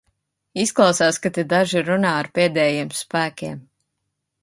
Izklausās, ka te daži runā ar pēdējiem spēkiem.